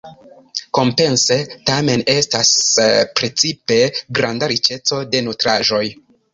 Kompense tamen estas precipe granda riĉeco de nutraĵoj.